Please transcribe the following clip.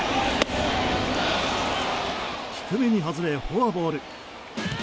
低めに外れ、フォアボール。